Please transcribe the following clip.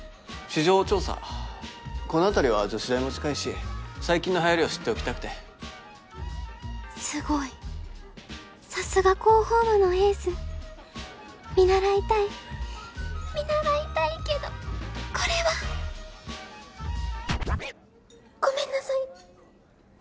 市場調査この辺りは女子大も近いし最近のはやりを知っておきたくてすごいさすが広報部のエース見習いたい見習いたいけどこれはごめんなさい